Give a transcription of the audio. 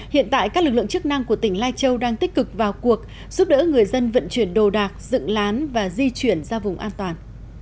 hiện tại các lực lượng chức năng của tỉnh lai châu đang tích cực vào cuộc giúp đỡ người dân vận chuyển đồ đạc dựng lán và di chuyển ra vùng an toàn